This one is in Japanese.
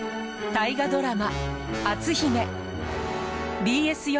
大河ドラマ